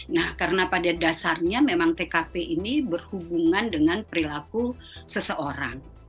nah karena pada dasarnya memang tkp ini berhubungan dengan perilaku seseorang